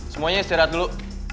semuanya istirahat dulu